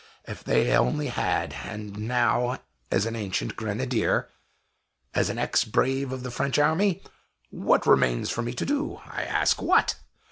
_ if they only had! And now, as an ancient grenadier, as an ex brave of the French army, what remains for me to do? I ask what?